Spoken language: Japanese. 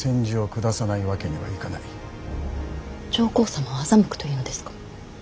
上皇様を欺くというのですか。